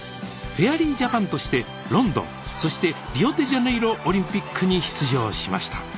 フェアリージャパンとしてロンドンそしてリオデジャネイロオリンピックに出場しました